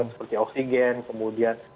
seperti oksigen kemudian